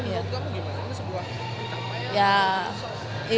menurut kamu gimana ini sebuah pencapaian atau pencapaian